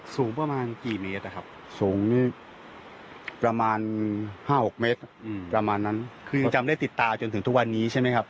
สูงประมาณกี่เมตรนะครับสูงประมาณ๕๖เมตรประมาณนั้นคือยังจำได้ติดตาจนถึงทุกวันนี้ใช่ไหมครับ